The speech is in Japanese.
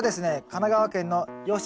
神奈川県。